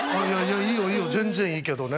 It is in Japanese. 「いいよいいよ全然いいけどね」。